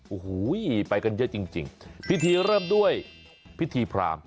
โอ้โหไปกันเยอะจริงพิธีเริ่มด้วยพิธีพราม